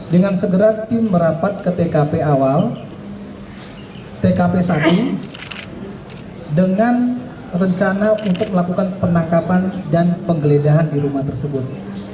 dengan segera tim merapat ke tkp awal tkp tadi dengan rencana untuk melakukan penangkapan dan penggeledahan di rumah tersebut